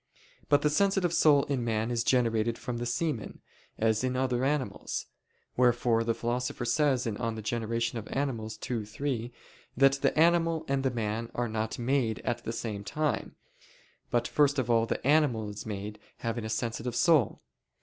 But the sensitive soul in man is generated from the semen, as in other animals; wherefore the Philosopher says (De Gener. Animal. ii, 3) that the animal and the man are not made at the same time, but first of all the animal is made having a sensitive soul.